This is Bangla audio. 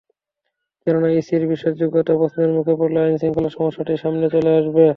কেননা, ইসির বিশ্বাসযোগ্যতা প্রশ্নের মুখে পড়লে আইনশৃঙ্খলার সমস্যাটি সামনে চলে আসবে।